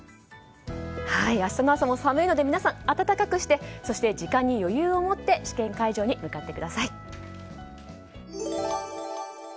明日の朝も寒いので皆さん暖かくしてそして時間に余裕を持って試験会場に向かってください。